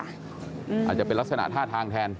อาจจะเป็นลักษณะท่าทางแทน